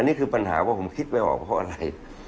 นี่คือปัญหาว่าผมคิดไม่ออกเพราะอะไร